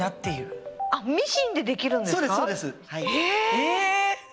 え！